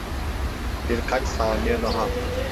Birkaç saniye daha.